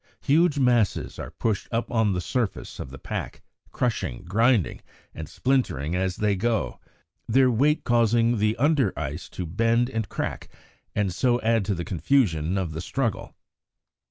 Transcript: Huge masses are pushed up on to the surface of the pack, crushing, grinding, and splintering as they go, their weight causing the under ice to bend and crack, and so add to the confusion of the struggle.